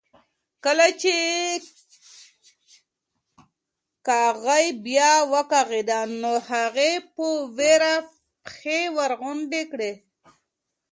کله چې کاغۍ بیا وکغېده نو هغې په وېره پښې ورغونډې کړې.